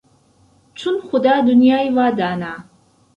چون خودا دنیای وا دانا